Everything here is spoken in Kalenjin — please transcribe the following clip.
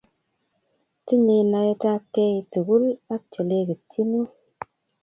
tinyei naet ap kei tukul ak chelekityini